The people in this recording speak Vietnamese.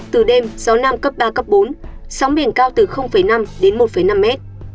từ đêm gió nam cấp ba cấp bốn sóng bền cao từ năm đến một năm m